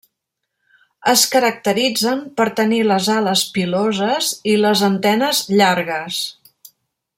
Es caracteritzen per tenir les ales piloses i les antenes llargues.